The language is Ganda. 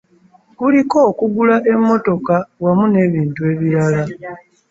Kuliko okugula emmotoka wamu n'ebintu ebirala.